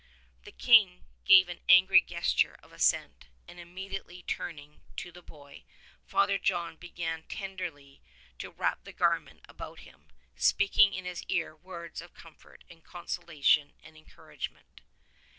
The King gave an angry gesture of assent, and imme diately turning to the boy. Father John began tenderly to wrap the garment about him, speaking into his ear words of comfort and consolation and encouragement.